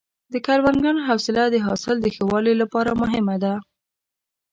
د کروندګر حوصله د حاصل د ښه والي لپاره مهمه ده.